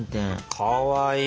かわいいね。